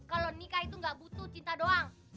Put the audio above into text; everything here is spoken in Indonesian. kalau nikah itu nggak butuh cinta doang